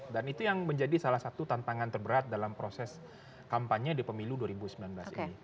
dan itu yang menjadi salah satu tantangan terberat dalam proses kampanye di pemilu dua ribu sembilan belas ini